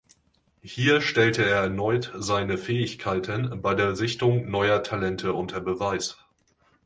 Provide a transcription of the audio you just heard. Hier stellte er erneut seine Fähigkeiten bei der Sichtung neuer Talente unter Beweis.